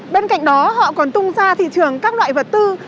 bên cạnh đó họ còn tung ra thị trường các loại vật tư